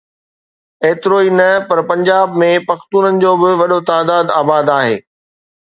ايترو ئي نه پر پنجاب ۾ پختونن جو به وڏو تعداد آباد آهي.